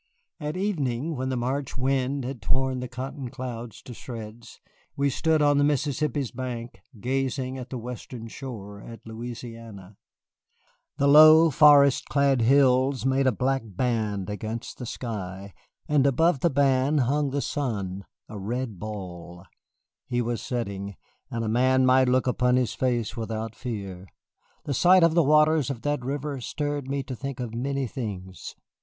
At evening, when the March wind had torn the cotton clouds to shreds, we stood on the Mississippi's bank, gazing at the western shore, at Louisiana. The low, forest clad hills made a black band against the sky, and above the band hung the sun, a red ball. He was setting, and man might look upon his face without fear. The sight of the waters of that river stirred me to think of many things.